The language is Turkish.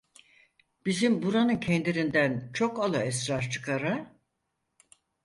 Bizim buranın kendirinden çok ala esrar çıkar ha!